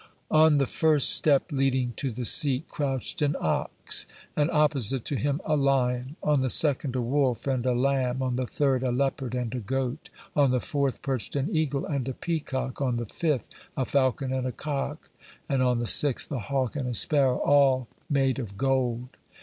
On the first step leading to the seat crouched an ox, and opposite to him a lion; on the second, a wolf and a lamb; on the third, a leopard and a goat; (67) on the fourth perched an eagle and a peacock; on the fifth a falcon (68) and a cock; and on the sixth a hawk and a sparrow; all made of gold.